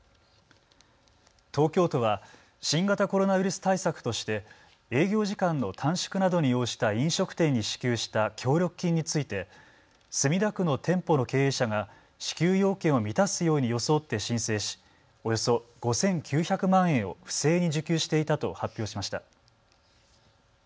東京都は新型コロナウイルス対策として、営業時間の短縮などに応じた飲食店に支給した協力金について墨田区の店舗の経営者が支給要件を満たすように装って申請しおよそ５９００万円を不正に受給していたと発表しました。